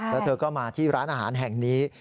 แล้วเธอก็มาที่ร้านอาหารแห่งนี้